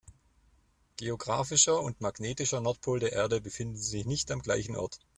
Geographischer und magnetischer Nordpol der Erde befinden sich nicht am gleichen Ort.